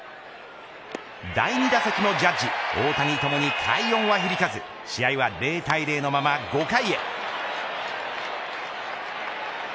第２打席のジャッジ、大谷ともに快音は響かず試合は０対０のまま５回へ。